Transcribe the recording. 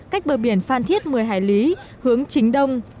cách bờ biển phan thiết một mươi hải lý hướng chính đông